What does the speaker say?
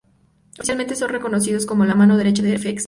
Oficialmente son reconocidos como la mano derecha de Feedback.